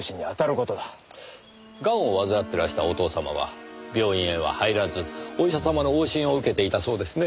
ガンを患ってらしたお父様は病院へは入らずお医者様の往診を受けていたそうですね？